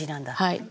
はい。